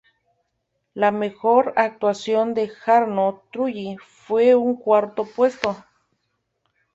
La mejor actuación de Jarno Trulli fue un cuarto puesto.